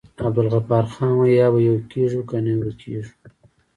عبدالغفارخان وايي: یا به يو کيږي که نه ورکيږی.